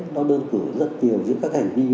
nó đơn cử rất nhiều giữa các hành vi